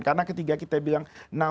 karena ketiga kita bilang